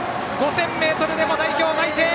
５０００ｍでも代表内定！